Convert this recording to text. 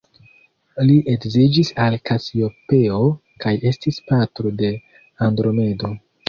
Li edziĝis al Kasiopeo, kaj estis patro de Andromedo.